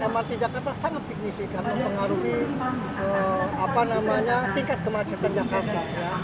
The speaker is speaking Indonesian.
mrt jakarta sangat signifikan mempengaruhi tingkat kemacetan jakarta